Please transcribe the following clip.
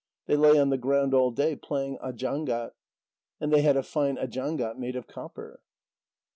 They lay on the ground all day playing ajangat. And they had a fine ajangat made of copper.